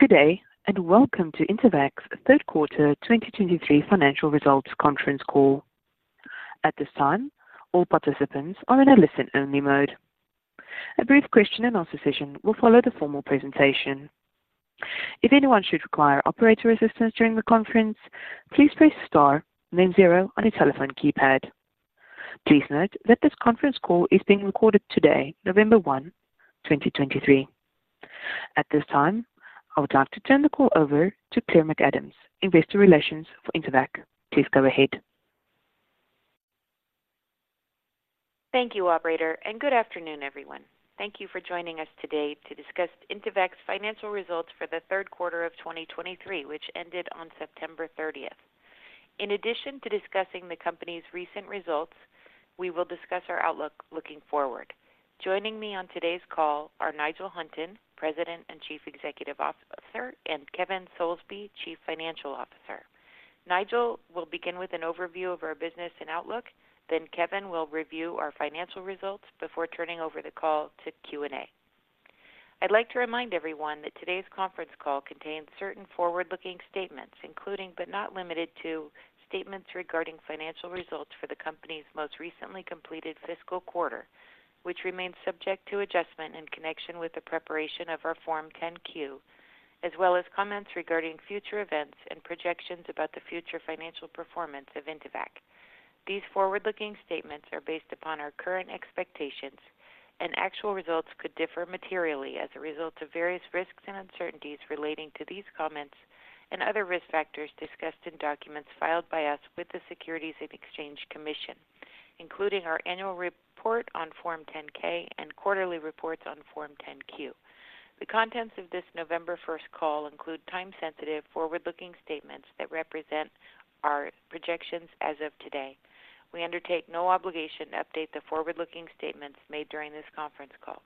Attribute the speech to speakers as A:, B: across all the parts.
A: Good day, and welcome to Intevac's Third quarter 2023 Financial Results Conference Call. At this time, all participants are in a listen-only mode. A brief question and answer session will follow the formal presentation. If anyone should require operator assistance during the conference, please press star, then zero on your telephone keypad. Please note that this conference call is being recorded today, November 1, 2023. At this time, I would like to turn the call over to Claire McAdams, Investor Relations for Intevac. Please go ahead.
B: Thank you, operator, and good afternoon, everyone. Thank you for joining us today to discuss Intevac's Financial Results For The Third Quarter of 2023, which ended on September 30th. In addition to discussing the company's recent results, we will discuss our outlook looking forward. Joining me on today's call are Nigel Hunton, President and Chief Executive Officer, and Kevin Soulsby, Chief Financial Officer. Nigel will begin with an overview of our business and outlook, then Kevin will review our financial results before turning over the call to Q&A. I'd like to remind everyone that today's conference call contains certain forward-looking statements, including, but not limited to, statements regarding financial results for the company's most recently completed fiscal quarter, which remains subject to adjustment in connection with the preparation of our Form 10-Q, as well as comments regarding future events and projections about the future financial performance of Intevac. These forward-looking statements are based upon our current expectations, and actual results could differ materially as a result of various risks and uncertainties relating to these comments and other risk factors discussed in documents filed by us with the Securities and Exchange Commission, including our annual report on Form 10-K and quarterly reports on Form 10-Q. The contents of this November first call include time-sensitive, forward-looking statements that represent our projections as of today. We undertake no obligation to update the forward-looking statements made during this conference call.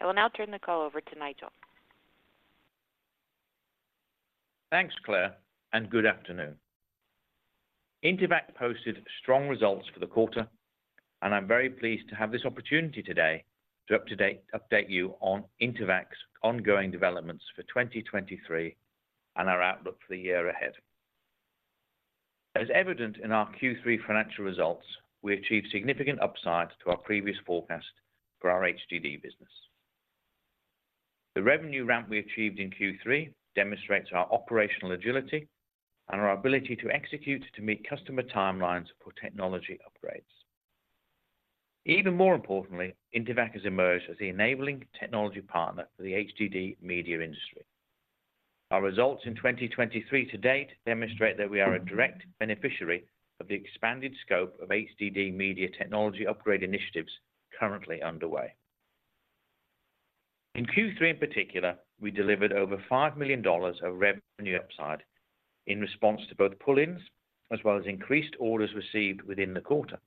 B: I will now turn the call over to Nigel.
C: Thanks, Claire, and good afternoon. Intevac posted strong results for the quarter, and I'm very pleased to have this opportunity today to update you on Intevac's ongoing developments for 2023 and our outlook for the year ahead. As evident in our Q3 financial results, we achieved significant upside to our previous forecast for our HDD business. The revenue ramp we achieved in Q3 demonstrates our operational agility and our ability to execute to meet customer timelines for technology upgrades. Even more importantly, Intevac has emerged as the enabling technology partner for the HDD media industry. Our results in 2023 to date demonstrate that we are a direct beneficiary of the expanded scope of HDD media technology upgrade initiatives currently underway. In Q3, in particular, we delivered over $5 million of revenue upside in response to both pull-ins as well as increased orders received within the quarter.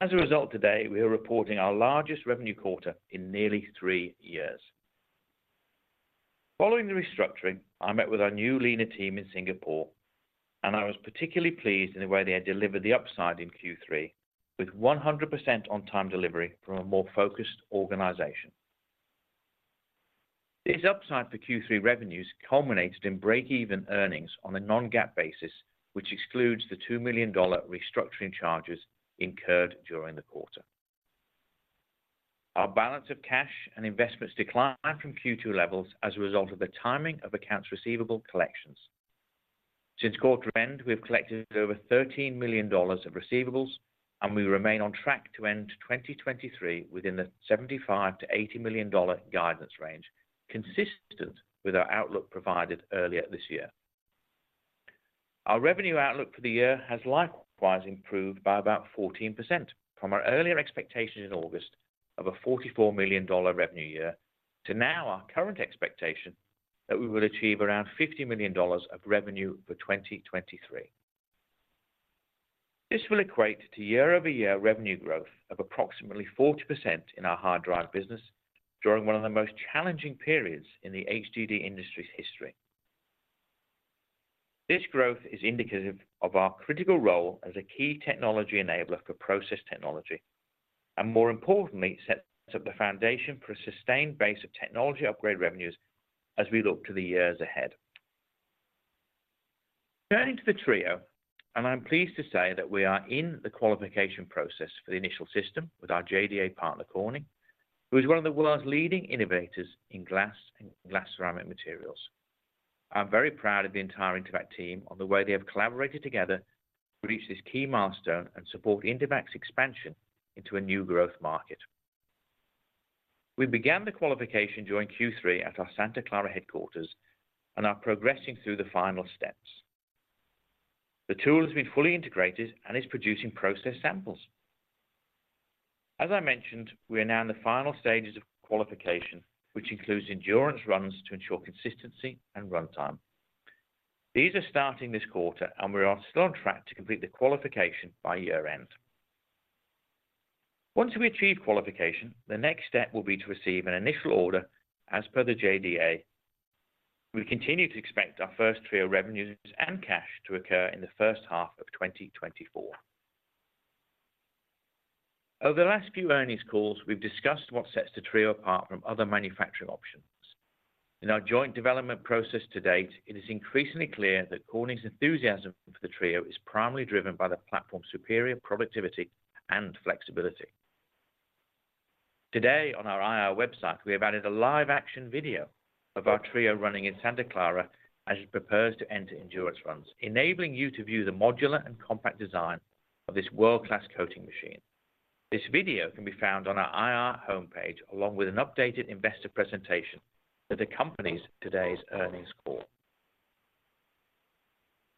C: As a result, today, we are reporting our largest revenue quarter in nearly three years. Following the restructuring, I met with our new leaner team in Singapore, and I was particularly pleased in the way they had delivered the upside in Q3, with 100% on-time delivery from a more focused organization. This upside for Q3 revenues culminated in break-even earnings on a non-GAAP basis, which excludes the $2 million restructuring charges incurred during the quarter. Our balance of cash and investments declined from Q2 levels as a result of the timing of accounts receivable collections. Since quarter end, we have collected over $13 million of receivables, and we remain on track to end 2023 within the $75 million-$80 million guidance range, consistent with our outlook provided earlier this year. Our revenue outlook for the year has likewise improved by about 14% from our earlier expectations in August of a $44 million revenue year, to now our current expectation that we will achieve around $50 million of revenue for 2023. This will equate to year-over-year revenue growth of approximately 40% in our hard drive business during one of the most challenging periods in the HDD industry's history. This growth is indicative of our critical role as a key technology enabler for process technology, and more importantly, sets up the foundation for a sustained base of technology upgrade revenues as we look to the years ahead. Turning to the TRIO, and I'm pleased to say that we are in the qualification process for the initial system with our JDA partner, Corning, who is one of the world's leading innovators in glass and glass-ceramic materials. I'm very proud of the entire Intevac team on the way they have collaborated together to reach this key milestone and support Intevac's expansion into a new growth market. We began the qualification during Q3 at our Santa Clara headquarters and are progressing through the final steps. The tool has been fully integrated and is producing process samples. As I mentioned, we are now in the final stages of qualification, which includes endurance runs to ensure consistency and runtime. These are starting this quarter, and we are still on track to complete the qualification by year-end. Once we achieve qualification, the next step will be to receive an initial order as per the JDA. We continue to expect our first TRIO revenues and cash to occur in the first half of 2024.... Over the last few earnings calls, we've discussed what sets the TRIO apart from other manufacturing options. In our joint development process to date, it is increasingly clear that Corning's enthusiasm for the TRIO is primarily driven by the platform's superior productivity and flexibility. Today, on our IR website, we have added a live-action video of our TRIO running in Santa Clara as it prepares to enter endurance runs, enabling you to view the modular and compact design of this world-class coating machine. This video can be found on our IR homepage, along with an updated investor presentation that accompanies today's earnings call.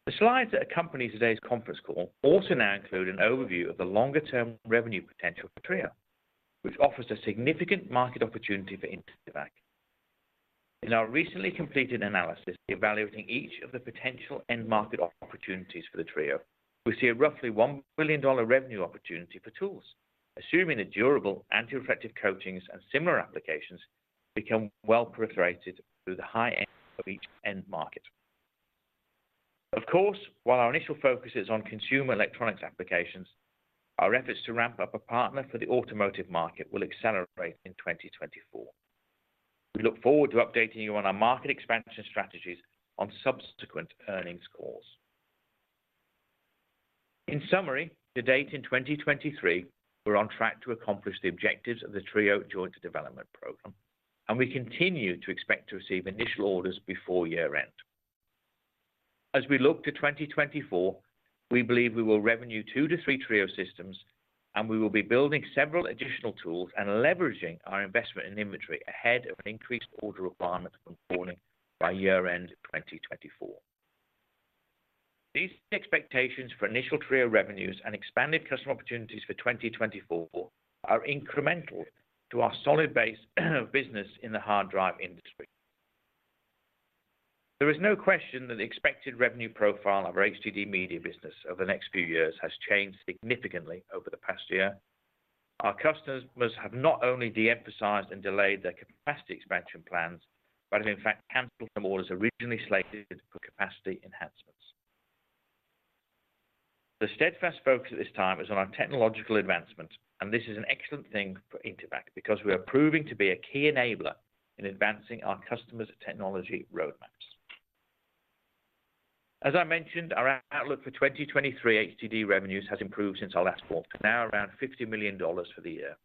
C: The slides that accompany today's conference call also now include an overview of the longer-term revenue potential for TRIO, which offers a significant market opportunity for Intevac. In our recently completed analysis, evaluating each of the potential end market opportunities for the TRIO, we see a roughly $1 billion revenue opportunity for tools, assuming the durable anti-reflective coatings and similar applications become well proliferated through the high end of each end market. Of course, while our initial focus is on consumer electronics applications, our efforts to ramp up a partner for the automotive market will accelerate in 2024. We look forward to updating you on our market expansion strategies on subsequent earnings calls. In summary, to date, in 2023, we're on track to accomplish the objectives of the TRIO joint development program, and we continue to expect to receive initial orders before year-end. As we look to 2024, we believe we will revenue 2-3 TRIO systems, and we will be building several additional tools and leveraging our investment in inventory ahead of an increased order requirement from Corning by year-end 2024. These expectations for initial TRIO revenues and expanded customer opportunities for 2024 are incremental to our solid base of business in the hard drive industry. There is no question that the expected revenue profile of our HDD media business over the next few years has changed significantly over the past year. Our customers have not only de-emphasized and delayed their capacity expansion plans, but have, in fact, canceled some orders originally slated for capacity enhancements. The steadfast focus at this time is on our technological advancements, and this is an excellent thing for Intevac because we are proving to be a key enabler in advancing our customers' technology roadmaps. As I mentioned, our outlook for 2023 HDD revenues has improved since our last call, to now around $50 million for the year.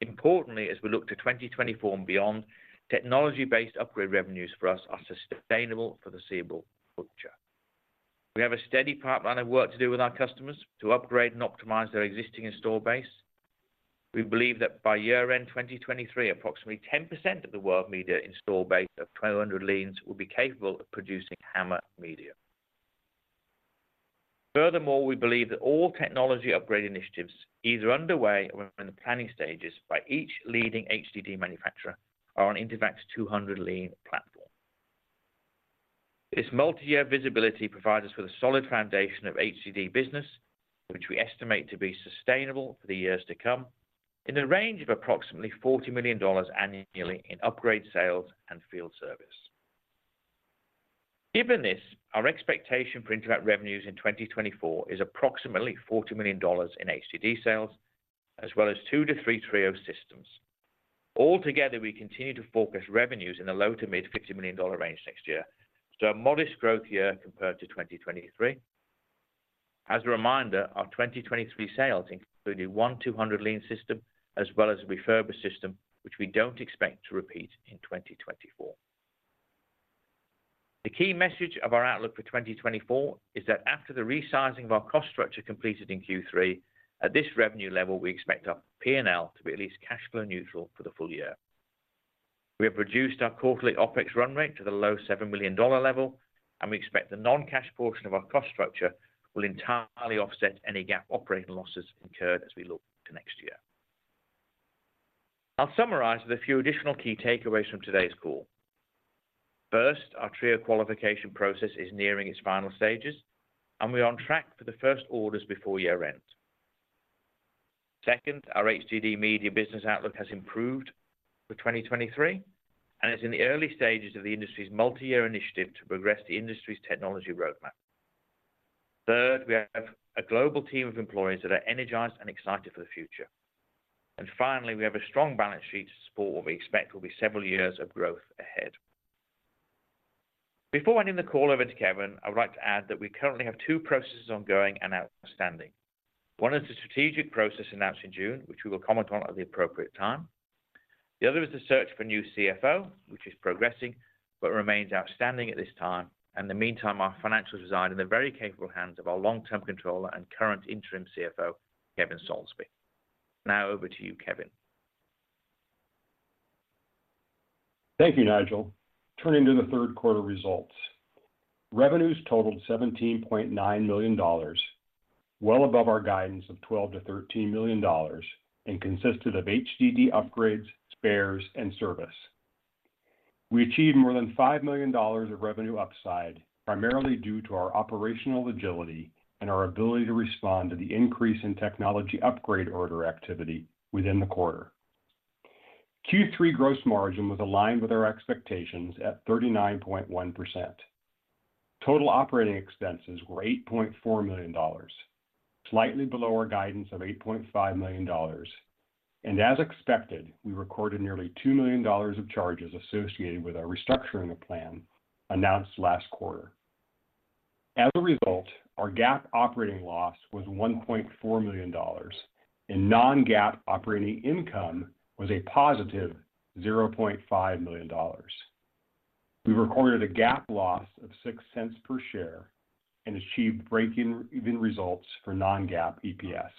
C: Importantly, as we look to 2024 and beyond, technology-based upgrade revenues for us are sustainable for the foreseeable future. We have a steady pipeline of work to do with our customers to upgrade and optimize their existing install base. We believe that by year-end 2023, approximately 10% of the world media install base of 200 Lean will be capable of producing HAMR media. Furthermore, we believe that all technology upgrade initiatives, either underway or in the planning stages by each leading HDD manufacturer, are on Intevac's 200 Lean platform. This multi-year visibility provides us with a solid foundation of HDD business, which we estimate to be sustainable for the years to come, in a range of approximately $40 million annually in upgrade sales and field service. Given this, our expectation for Intevac revenues in 2024 is approximately $40 million in HDD sales, as well as 2-3 TRIO systems. Altogether, we continue to focus revenues in the low- to mid-$50 million range next year, so a modest growth year compared to 2023. As a reminder, our 2023 sales included one 200 Lean system as well as a refurbished system, which we don't expect to repeat in 2024. The key message of our outlook for 2024 is that after the resizing of our cost structure completed in Q3, at this revenue level, we expect our P&L to be at least cash flow neutral for the full year. We have reduced our quarterly OpEx run rate to the low $7 million level, and we expect the non-cash portion of our cost structure will entirely offset any gap operating losses incurred as we look to next year. I'll summarize with a few additional key takeaways from today's call. First, our TRIO qualification process is nearing its final stages, and we're on track for the first orders before year-end. Second, our HDD media business outlook has improved for 2023, and is in the early stages of the industry's multi-year initiative to progress the industry's technology roadmap. Third, we have a global team of employees that are energized and excited for the future. And finally, we have a strong balance sheet to support what we expect will be several years of growth ahead. Before handing the call over to Kevin, I would like to add that we currently have two processes ongoing and outstanding. One is the strategic process announced in June, which we will comment on at the appropriate time. The other is the search for a new CFO, which is progressing but remains outstanding at this time, and in the meantime, our financials reside in the very capable hands of our long-term controller and current interim CFO, Kevin Soulsby. Now over to you, Kevin.
D: Thank you, Nigel. Turning to the third quarter results. Revenues totaled $17.9 million, well above our guidance of $12 million-$13 million, and consisted of HDD upgrades, spares, and service. We achieved more than $5 million of revenue upside, primarily due to our operational agility and our ability to respond to the increase in technology upgrade order activity within the quarter.... Q3 gross margin was aligned with our expectations at 39.1%. Total operating expenses were $8.4 million, slightly below our guidance of $8.5 million. And as expected, we recorded nearly $2 million of charges associated with our restructuring plan announced last quarter. As a result, our GAAP operating loss was $1.4 million, and non-GAAP operating income was a positive $0.5 million. We recorded a GAAP loss of $0.06 per share and achieved break-even results for non-GAAP EPS.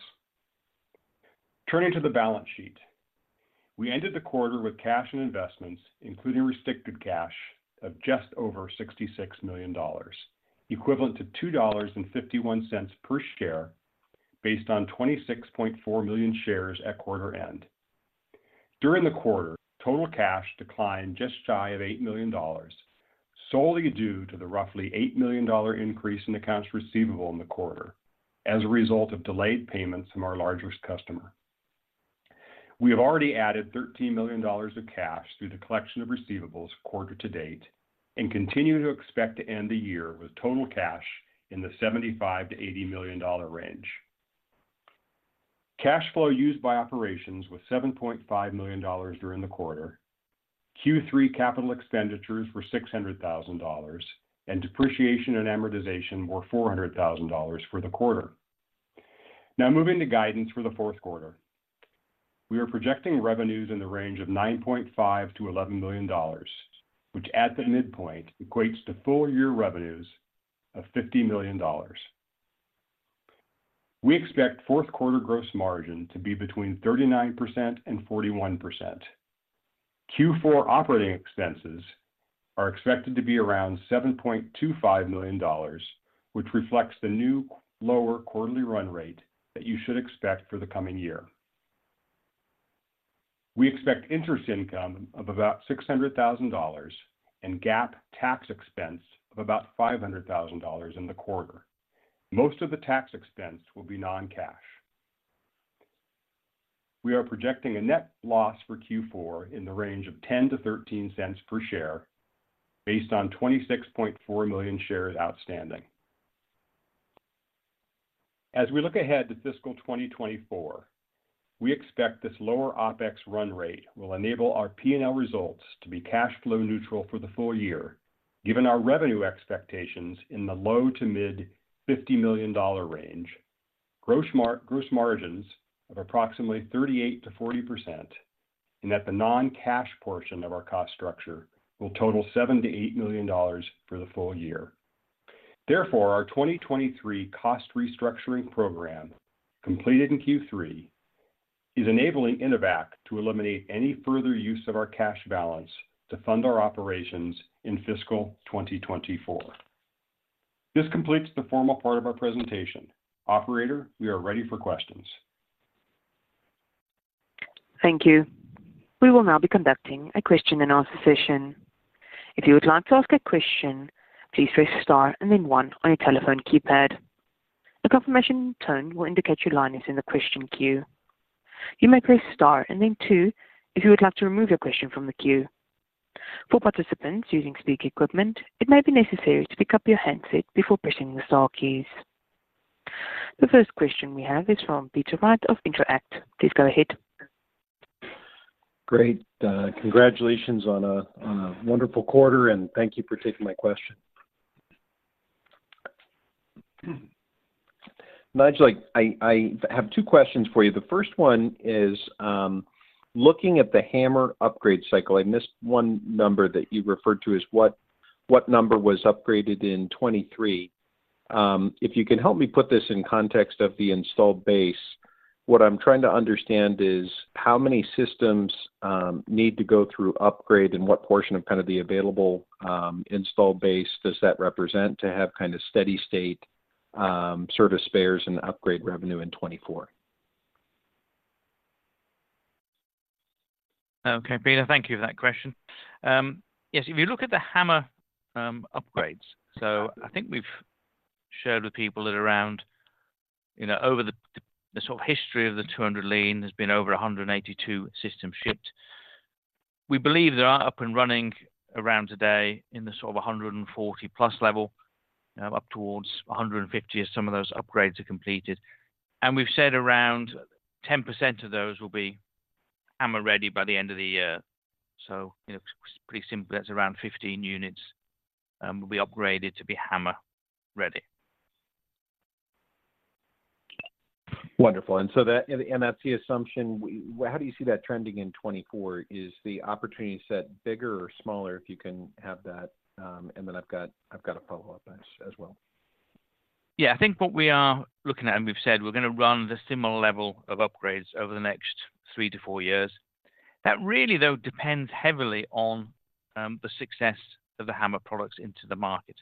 D: Turning to the balance sheet, we ended the quarter with cash and investments, including restricted cash, of just over $66 million, equivalent to $2.51 per share, based on 26.4 million shares at quarter end. During the quarter, total cash declined just shy of $8 million, solely due to the roughly $8 million increase in accounts receivable in the quarter as a result of delayed payments from our largest customer. We have already added $13 million of cash through the collection of receivables quarter to date, and continue to expect to end the year with total cash in the $75 million-$80 million range. Cash flow used by operations was $7.5 million during the quarter. Q3 capital expenditures were $600,000, and depreciation and amortization were $400,000 for the quarter. Now, moving to guidance for the fourth quarter. We are projecting revenues in the range of $9.5 million-$11 million, which at the midpoint equates to full year revenues of $50 million. We expect fourth quarter gross margin to be between 39% and 41%. Q4 operating expenses are expected to be around $7.25 million, which reflects the new lower quarterly run rate that you should expect for the coming year. We expect interest income of about $600,000 and GAAP tax expense of about $500,000 in the quarter. Most of the tax expense will be non-cash. We are projecting a net loss for Q4 in the range of $0.10-$0.13 per share, based on 26.4 million shares outstanding. As we look ahead to fiscal 2024, we expect this lower OpEx run rate will enable our P&L results to be cash flow neutral for the full year, given our revenue expectations in the low- to mid-$50 million range, gross margins of approximately 38%-40%, and that the non-cash portion of our cost structure will total $7 million-$8 million for the full year. Therefore, our 2023 cost restructuring program, completed in Q3, is enabling Intevac to eliminate any further use of our cash balance to fund our operations in fiscal 2024. This completes the formal part of our presentation. Operator, we are ready for questions.
A: Thank you. We will now be conducting a question and answer session. If you would like to ask a question, please press Star and then 1 on your telephone keypad. A confirmation tone will indicate your line is in the question queue. You may press Star and then 2 if you would like to remove your question from the queue. For participants using speaker equipment, it may be necessary to pick up your handset before pressing the star keys. The first question we have is from Peter Wright of Intro-act. Please go ahead.
E: Great, congratulations on a wonderful quarter, and thank you for taking my question. Nigel, I have two questions for you. The first one is, looking at the HAMR upgrade cycle, I missed one number that you referred to as what, what number was upgraded in 2023? If you can help me put this in context of the installed base. What I'm trying to understand is how many systems need to go through upgrade, and what portion of kind of the available installed base does that represent to have kind of steady state service spares and upgrade revenue in 2024?
C: Okay, Peter, thank you for that question. Yes, if you look at the HAMR upgrades, so I think we've shared with people that around, you know, over the, the sort of history of the 200 Lean has been over 182 systems shipped. We believe there are up and running around today in the sort of 140+ level, up towards 150, as some of those upgrades are completed. We've said around 10% of those will be HAMR-ready by the end of the year. It's pretty simple, that's around 15 units will be upgraded to be HAMR-ready.
E: Wonderful. And so that's the assumption. How do you see that trending in 2024? Is the opportunity set bigger or smaller, if you can have that? And then I've got a follow-up as well.
C: Yeah, I think what we are looking at, and we've said we're going to run the similar level of upgrades over the next 3-4 years. That really, though, depends heavily on the success of the HAMR products into the market.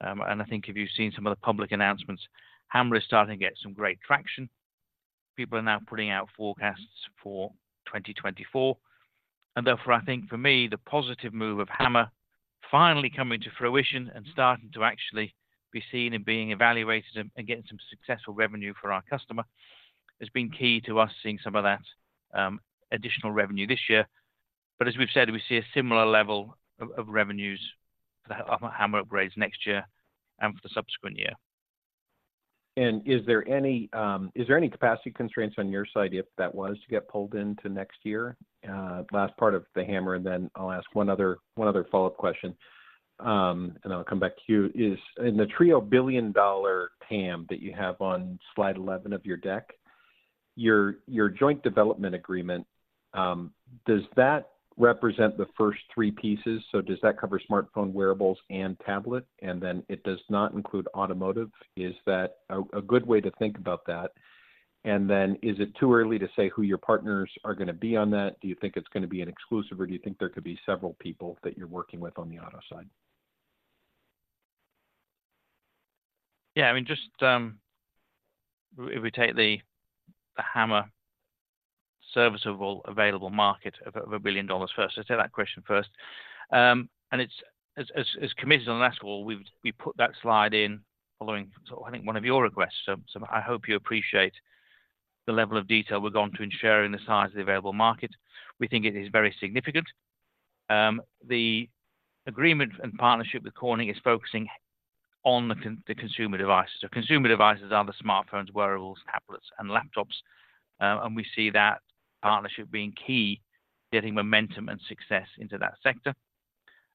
C: And I think if you've seen some of the public announcements, HAMR is starting to get some great traction. People are now putting out forecasts for 2024, and therefore, I think for me, the positive move of HAMR finally coming to fruition and starting to actually be seen and being evaluated and getting some successful revenue for our customer, has been key to us seeing some of that additional revenue this year. But as we've said, we see a similar level of revenues for the HAMR upgrades next year and for the subsequent year.
E: Is there any capacity constraints on your side if that was to get pulled into next year? Last part of the HAMR, and then I'll ask one other, one other follow-up question, and I'll come back to you. Is in the TRIO billion-dollar TAM that you have on slide 11 of your deck, your, your joint development agreement, does that represent the first three pieces? So does that cover smartphone, wearables, and tablet, and then it does not include automotive? Is that a good way to think about that? And then is it too early to say who your partners are gonna be on that? Do you think it's gonna be an exclusive, or do you think there could be several people that you're working with on the auto side?
C: Yeah, I mean, just if we take the HAMR serviceable available market of $1 billion first. Let's take that question first. And it's as committed on the last call, we've we put that slide in following, sort of, I think, one of your requests, so I hope you appreciate the level of detail we've gone to in sharing the size of the available market. We think it is very significant. The agreement and partnership with Corning is focusing on the consumer devices. So consumer devices are the smartphones, wearables, tablets, and laptops, and we see that partnership being key, getting momentum and success into that sector.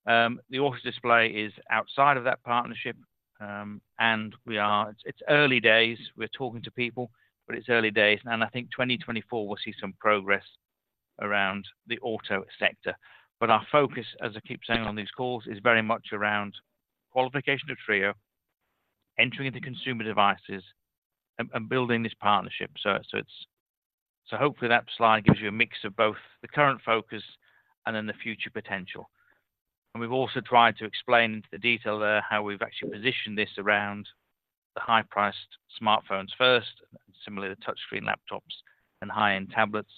C: The office display is outside of that partnership, and we are-- It's early days. We're talking to people, but it's early days, and I think 2024, we'll see some progress around the auto sector. But our focus, as I keep saying on these calls, is very much around qualification of TRIO, entering into consumer devices, and, and building this partnership. So, so it's. So hopefully that slide gives you a mix of both the current focus and then the future potential. And we've also tried to explain into the detail there, how we've actually positioned this around the high-priced smartphones first, similarly, the touchscreen laptops and high-end tablets.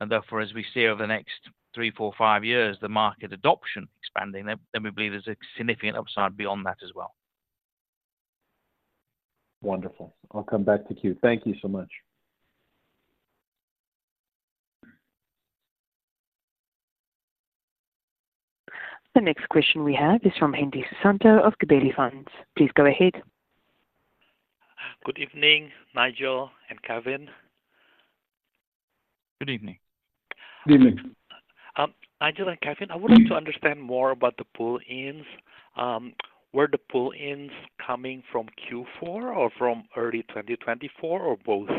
C: And therefore, as we see over the next three, four, five years, the market adoption expanding, then, then we believe there's a significant upside beyond that as well.
E: Wonderful. I'll come back to you. Thank you so much.
A: The next question we have is from Hendi Susanto of Gabelli Funds. Please go ahead.
F: Good evening, Nigel and Kevin.
C: Good evening.
E: Good evening.
F: Nigel and Kevin, I wanted to understand more about the pull-ins. Were the pull-ins coming from Q4 or from early 2024, or both?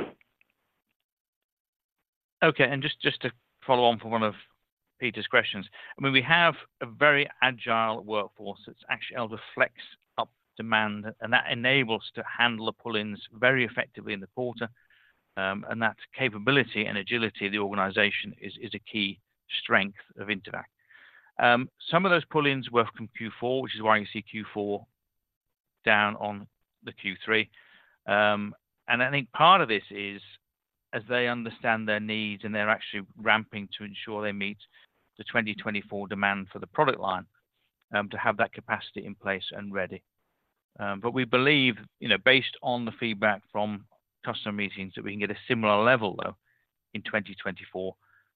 C: Okay, and just to follow on from one of Peter's questions. I mean, we have a very agile workforce that's actually able to flex up demand, and that enables to handle the pull-ins very effectively in the quarter. And that capability and agility of the organization is a key strength of Intevac. Some of those pull-ins were from Q4, which is why you see Q4 down on the Q3. And I think part of this is as they understand their needs and they're actually ramping to ensure they meet the 2024 demand for the product line, to have that capacity in place and ready. But we believe, you know, based on the feedback from customer meetings, that we can get a similar level, though, in 2024,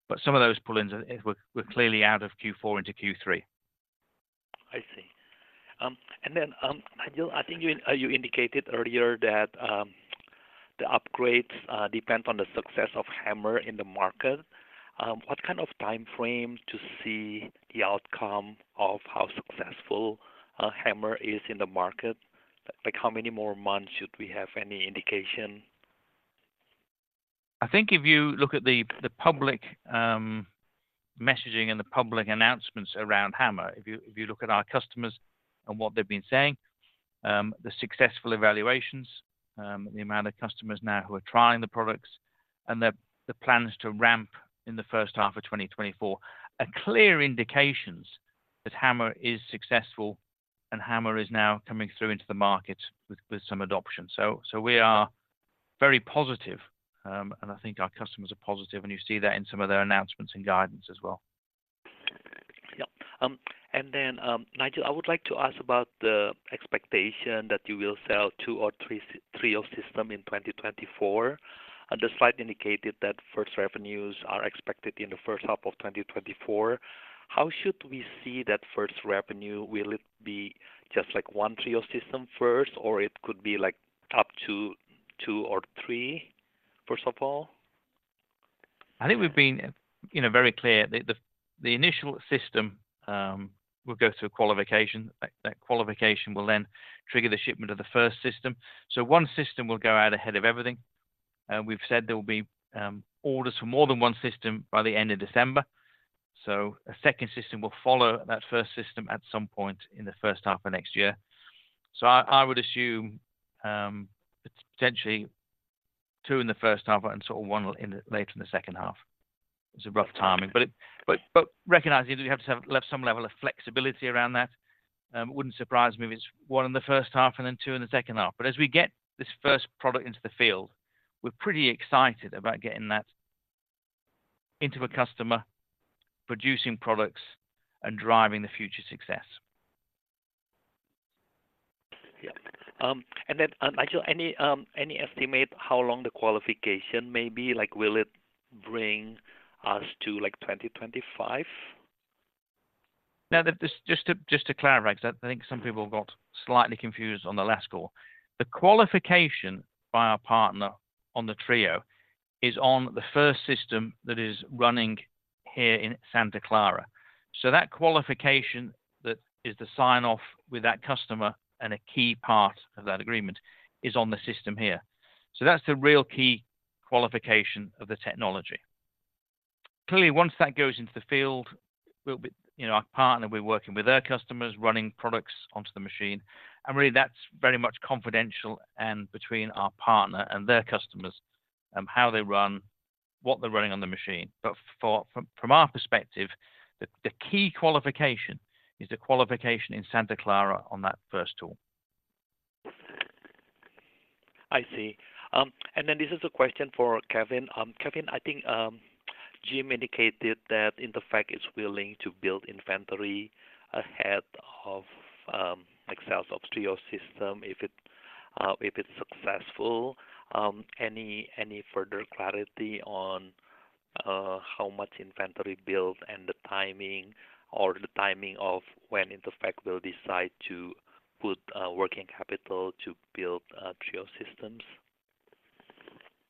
C: but some of those pull-ins were clearly out of Q4 into Q3.
F: I see. And then, Nigel, I think you indicated earlier that the upgrades depend on the success of HAMR in the market. What kind of time frame to see the outcome of how successful HAMR is in the market? Like, how many more months should we have any indication?
C: I think if you look at the public messaging and the public announcements around HAMR, if you look at our customers and what they've been saying, the successful evaluations, the amount of customers now who are trying the products and the plans to ramp in the first half of 2024, are clear indications that HAMR is successful, and HAMR is now coming through into the market with some adoption. So we are very positive, and I think our customers are positive, and you see that in some of their announcements and guidance as well.
F: Yeah. And then, Nigel, I would like to ask about the expectation that you will sell 2 or 3 TRIO systems in 2024. The slide indicated that first revenues are expected in the first half of 2024. How should we see that first revenue? Will it be just like one TRIO system first, or it could be like up to 2 or 3, first of all?
C: I think we've been, you know, very clear. The initial system will go through a qualification. That qualification will then trigger the shipment of the first system. So one system will go out ahead of everything, and we've said there will be orders for more than one system by the end of December. So a second system will follow that first system at some point in the first half of next year. So I would assume potentially two in the first half and sort of one later in the second half. It's a rough timing, but recognizing that you have to have left some level of flexibility around that, it wouldn't surprise me if it's one in the first half and then two in the second half. But as we get this first product into the field, we're pretty excited about getting that into a customer, producing products and driving the future success.
F: Yeah. And then, actually, any estimate how long the qualification may be? Like, will it bring us to, like, 2025?
C: Now, just to, just to clarify, because I think some people got slightly confused on the last call. The qualification by our partner on the TRIO is on the first system that is running here in Santa Clara. So that qualification, that is the sign-off with that customer, and a key part of that agreement is on the system here. So that's the real key qualification of the technology. Clearly, once that goes into the field, we'll be. You know, our partner will be working with their customers, running products onto the machine, and really, that's very much confidential and between our partner and their customers, how they run, what they're running on the machine. But from our perspective, the key qualification is the qualification in Santa Clara on that first tool.
F: I see. And then this is a question for Kevin. Kevin, I think Jim indicated that Intevac is willing to build inventory ahead of Intevac's TRIO system if it's successful. Any further clarity on how much inventory build and the timing, or the timing of when Intevac will decide to put working capital to build TRIO systems?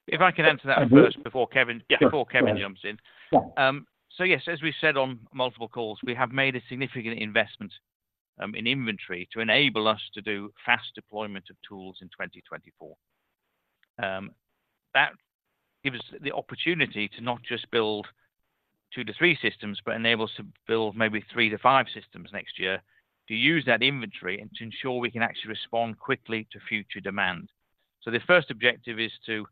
C: If I can answer that first before Kevin-
F: Sure.
C: before Kevin jumps in.
F: Yeah.
C: So, yes, as we said on multiple calls, we have made a significant investment in inventory to enable us to do fast deployment of tools in 2024. That gives the opportunity to not just build 2-3 systems, but enable us to build maybe 3-5 systems next year, to use that inventory and to ensure we can actually respond quickly to future demand. So the first objective is to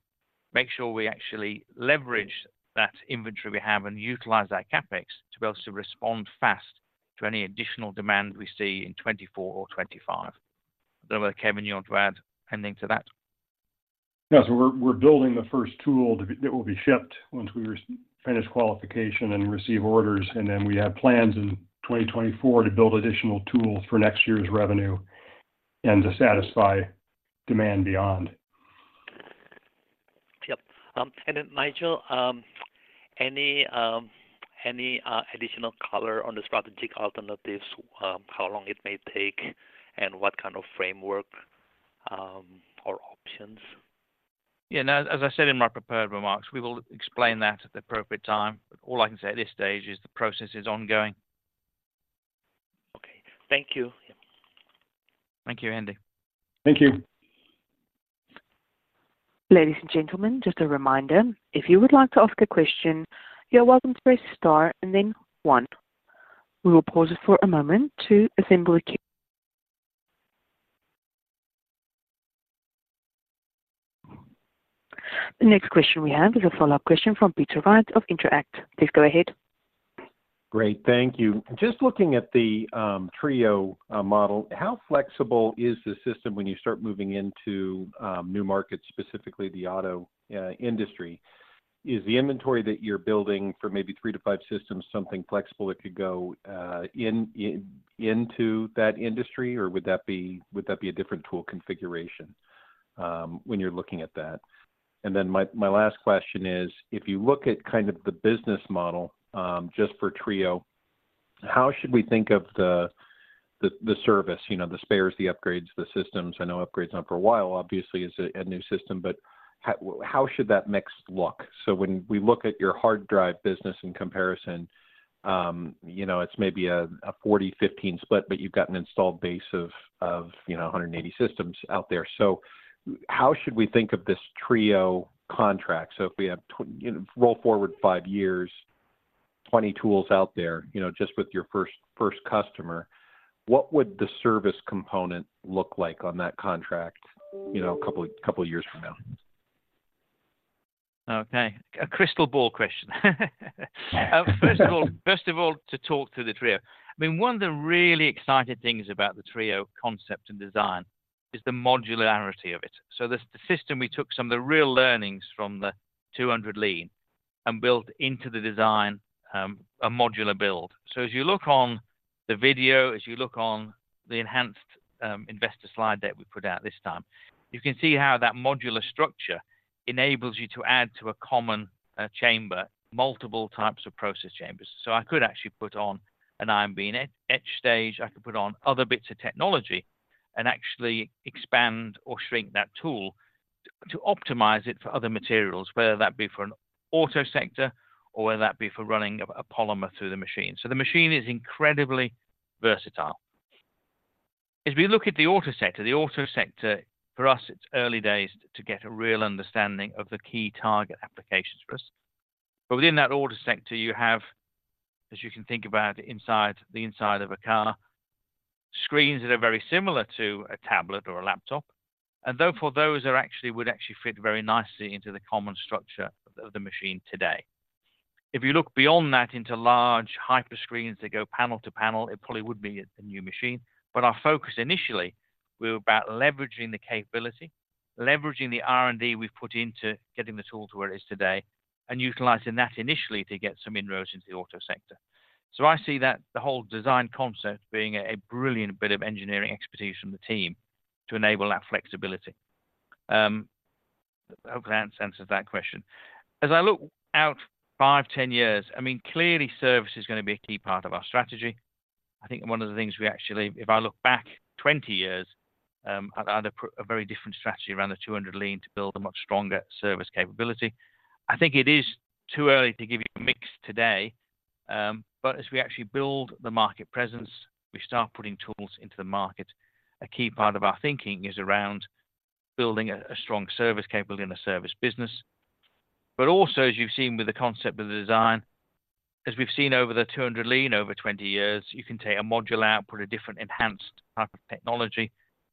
C: make sure we actually leverage that inventory we have and utilize that CapEx to be able to respond fast to any additional demand we see in 2024 or 2025. I don't know whether, Kevin, you want to add anything to that?
D: Yes, we're building the first tool that will be shipped once we finish qualification and receive orders, and then we have plans in 2024 to build additional tools for next year's revenue and to satisfy demand beyond.
F: Yep. And then, Nigel, any additional color on the strategic alternatives, how long it may take, and what kind of framework or options?
C: Yeah, now, as I said in my prepared remarks, we will explain that at the appropriate time, but all I can say at this stage is the process is ongoing.
F: Okay. Thank you.
C: Thank you, Hendi.
D: Thank you.
A: Ladies and gentlemen, just a reminder, if you would like to ask a question, you are welcome to press star and then one. We will pause for a moment to assemble the queue. The next question we have is a follow-up question from Peter Wright of Intro-act. Please go ahead.
E: Great. Thank you. Just looking at the TRIO model, how flexible is the system when you start moving into new markets, specifically the auto industry? Is the inventory that you're building for maybe three to five systems, something flexible that could go into that industry? Or would that be a different tool configuration when you're looking at that? And then my last question is, if you look at kind of the business model just for TRIO, how should we think of the service, you know, the spares, the upgrades, the systems? I know upgrades not for a while, obviously, it's a new system, but how should that mix look? So when we look at your hard drive business in comparison, you know, it's maybe a 40-15 split, but you've got an installed base of, you know, 180 systems out there. So how should we think of this TRIO contract? So if we have you know, roll forward 5 years, 20 tools out there, you know, just with your first customer, what would the service component look like on that contract, you know, a couple of years from now?
C: Okay. A crystal ball question. First of all, first of all, to talk to the TRIO. I mean, one of the really exciting things about the TRIO concept and design is the modularity of it. So the system, we took some of the real learnings from the 200 Lean and built into the design, a modular build. So as you look on the video, as you look on the enhanced, investor slide that we put out this time, you can see how that modular structure enables you to add to a common, chamber, multiple types of process chambers. So I could actually put on an IMB and etch, etch stage. I could put on other bits of technology and actually expand or shrink that tool to, to optimize it for other materials, whether that be for an auto sector or whether that be for running a, a polymer through the machine. So the machine is incredibly versatile. As we look at the auto sector, the auto sector, for us, it's early days to get a real understanding of the key target applications for us. But within that auto sector, you have, as you can think about inside the inside of a car, screens that are very similar to a tablet or a laptop, and though for those, they actually would actually fit very nicely into the common structure of the machine today. If you look beyond that into large hyper screens that go panel to panel, it probably would be a new machine. But our focus initially, we were about leveraging the R&D we've put into getting the tool to where it is today, and utilizing that initially to get some inroads into the auto sector. So I see that the whole design concept being a brilliant bit of engineering expertise from the team to enable that flexibility. I hope that answers that question. As I look out 5, 10 years, I mean, clearly, service is gonna be a key part of our strategy. I think one of the things we actually, if I look back 20 years, I'd put a very different strategy around the 200 Lean to build a much stronger service capability. I think it is too early to give you a mix today, but as we actually build the market presence, we start putting tools into the market. A key part of our thinking is around building a strong service capability and a service business. But also, as you've seen with the concept of the design, as we've seen over the 200 Lean over 20 years, you can take a module out, put a different enhanced type of technology,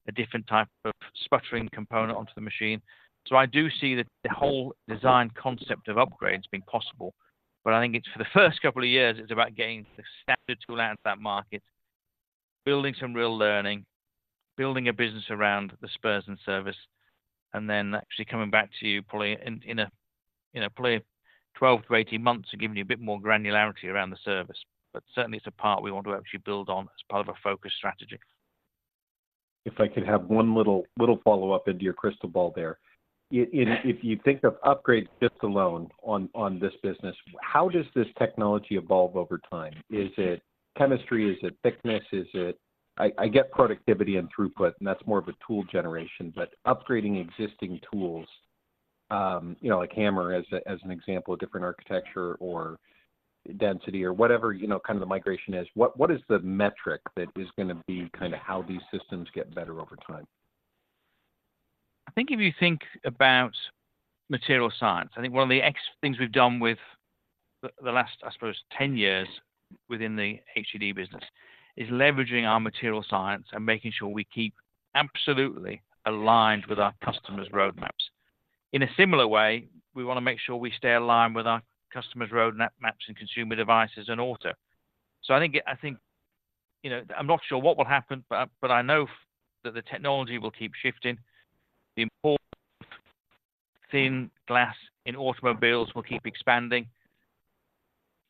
C: a different type of sputtering component onto the machine. So I do see the whole design concept of upgrades being possible, but I think it's for the first couple of years, it's about getting the standard tool out to that market, building some real learning, building a business around the spares and service, and then actually coming back to you probably in a probably 12-18 months and giving you a bit more granularity around the service. But certainly, it's a part we want to actually build on as part of a focused strategy.
E: If I could have one little, little follow-up into your crystal ball there. If you think of upgrades just alone on this business, how does this technology evolve over time? Is it chemistry? Is it thickness? Is it... I get productivity and throughput, and that's more of a tool generation, but upgrading existing tools, you know, like HAMR as an example, a different architecture or density or whatever, you know, kind of the migration is, what is the metric that is gonna be kind of how these systems get better over time?
C: I think if you think about material science, I think one of the things we've done with the last, I suppose, 10 years within the HDD business, is leveraging our material science and making sure we keep absolutely aligned with our customers' roadmaps. In a similar way, we want to make sure we stay aligned with our customers' roadmaps and consumer devices and auto. So I think, you know, I'm not sure what will happen, but I know that the technology will keep shifting. The important thin glass in automobiles will keep expanding,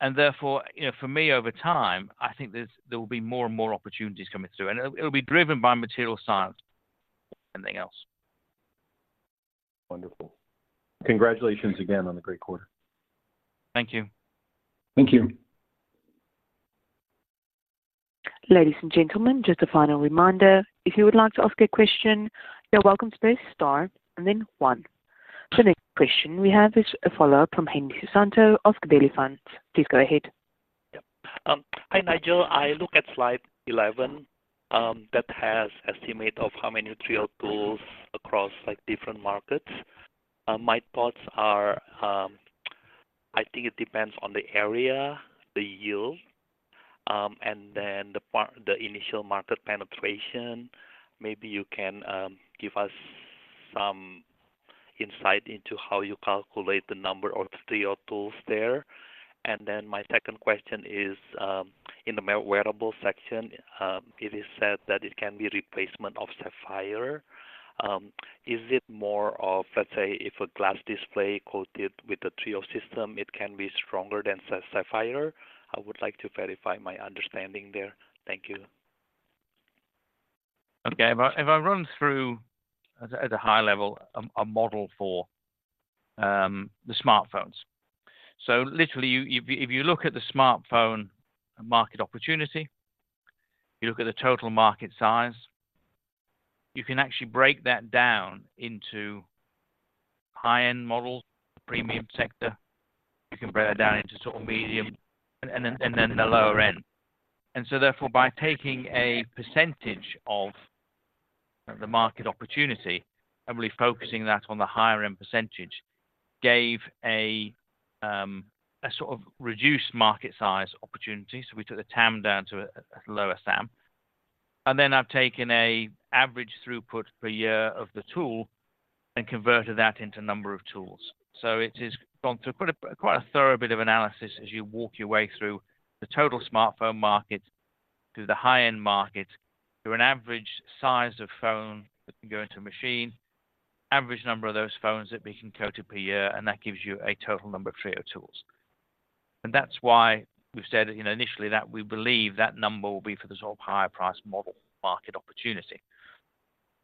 C: and therefore, you know, for me, over time, I think there will be more and more opportunities coming through, and it, it'll be driven by material science, more than anything else.
E: Wonderful. Congratulations again on the great quarter.
C: Thank you.
E: Thank you.
A: Ladies and gentlemen, just a final reminder, if you would like to ask a question, you're welcome to press Star and then one. So the next question we have is a follow-up from Hendi Susanto of Gabelli Funds. Please go ahead.
F: Yep. Hi, Nigel. I look at slide 11, that has estimate of how many TRIO tools across, like, different markets. My thoughts are, I think it depends on the area, the yield, and then the initial market penetration. Maybe you can give us some insight into how you calculate the number of TRIO tools there. And then my second question is, in the wearable section, it is said that it can be replacement of sapphire. Is it more of, let's say, if a glass display coated with the TRIO system, it can be stronger than sapphire? I would like to verify my understanding there. Thank you.
C: Okay. If I run through at a high level a model for the smartphones. So literally, if you look at the smartphone market opportunity, you look at the total market size, you can actually break that down into high-end models, premium sector. You can break that down into sort of medium and then the lower end. So therefore, by taking a percentage of the market opportunity and really focusing that on the higher end percentage, gave a sort of reduced market size opportunity. So we took the TAM down to a lower SAM, and then I've taken an average throughput per year of the tool and converted that into number of tools. So it is gone through quite a thorough bit of analysis as you walk your way through the total smartphone market, through the high-end market, through an average size of phone that can go into a machine, average number of those phones that we can coat up per year, and that gives you a total number of TRIO tools. And that's why we've said, you know, initially, that we believe that number will be for the sort of higher price model market opportunity.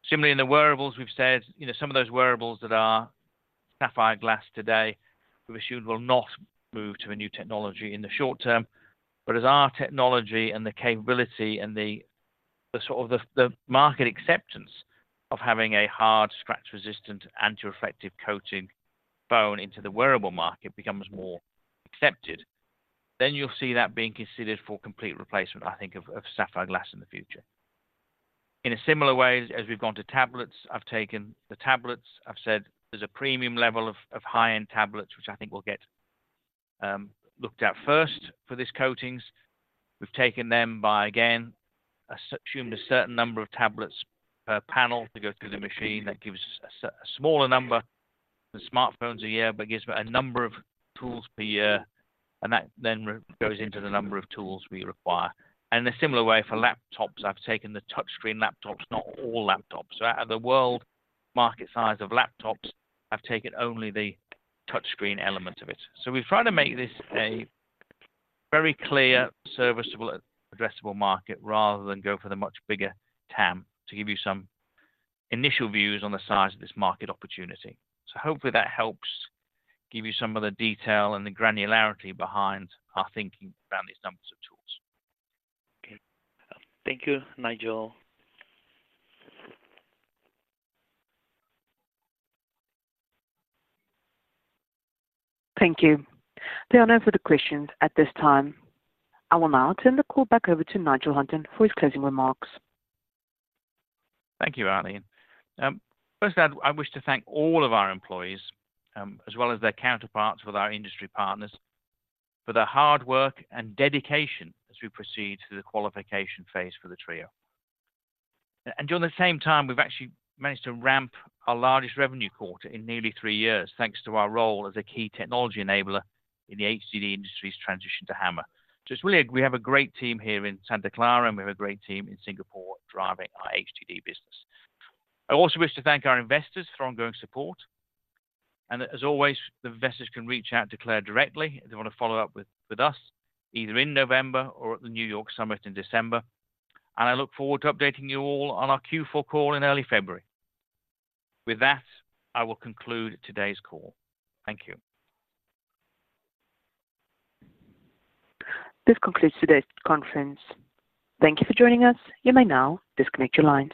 C: Similarly, in the wearables, we've said, you know, some of those wearables that are sapphire glass today, we've assumed will not move to a new technology in the short term. But as our technology and the capability and the sort of the market acceptance of having a hard, scratch-resistant, antireflective coating phased into the wearable market becomes more accepted, then you'll see that being considered for complete replacement, I think, of sapphire glass in the future. In a similar way, as we've gone to tablets, I've taken the tablets, I've said there's a premium level of high-end tablets, which I think will get looked at first for these coatings. We've taken them by, again, assumed a certain number of tablets per panel to go through the machine. That gives us a smaller number than smartphones a year, but gives a number of tools per year, and that then goes into the number of tools we require. In a similar way for laptops, I've taken the touchscreen laptops, not all laptops. So out of the world market size of laptops, I've taken only the touchscreen element of it. So we've tried to make this a very clear, serviceable, addressable market rather than go for the much bigger TAM to give you some initial views on the size of this market opportunity. So hopefully, that helps give you some of the detail and the granularity behind our thinking around these numbers of tools.
F: Okay. Thank you, Nigel.
A: Thank you. There are no further questions at this time. I will now turn the call back over to Nigel Hunton for his closing remarks.
C: Thank you, Arlene. Firstly, I wish to thank all of our employees, as well as their counterparts with our industry partners, for their hard work and dedication as we proceed to the qualification phase for the TRIO. During the same time, we've actually managed to ramp our largest revenue quarter in nearly three years, thanks to our role as a key technology enabler in the HDD industry's transition to HAMR. Just really, we have a great team here in Santa Clara, and we have a great team in Singapore driving our HDD business. I also wish to thank our investors for ongoing support, and as always, the investors can reach out to Claire directly if they want to follow up with us, either in November or at the New York summit in December. I look forward to updating you all on our Q4 call in early February. With that, I will conclude today's call. Thank you.
A: This concludes today's conference. Thank you for joining us. You may now disconnect your lines.